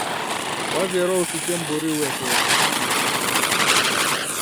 Wazerwa usiche mburi uekeri.